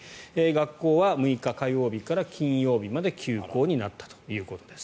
学校は６日火曜日から金曜日まで休校になったということです。